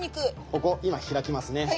ここ今開きますね。